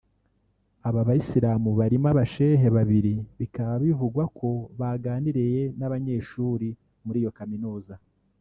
Aba Bayisilamu barimo abashehe (Sheikh) babiri bikaba bivugwa ko baganiriye n’abanyeshuri muri iyo Kaminuza